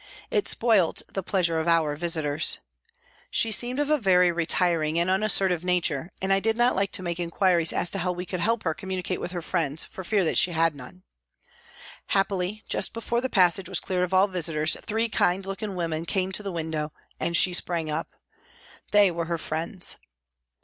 It spoilt the pleasure of our visitors. She seemed of a very retiring and unas sertive nature, and I did not like to make inquiries 60 PRISONS AND PRISONERS as to how we could help her communicate with her friends for fear that she had none. Happily, just before the passage was cleared of all visitors, three kind looking women came to the window and she sprang up. They were her friends.